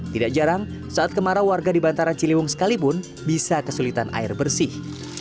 tidak jarang saat kemarau warga di bantaran ciliwung sekalipun bisa kesulitan air bersih